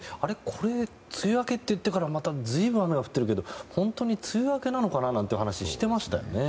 これ梅雨明けって言ってから随分雨が降ってるけど本当に梅雨明けなのかなという話をしていましたよね？